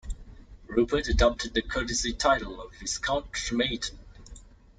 Rupert adopted the courtesy title of Viscount Trematon.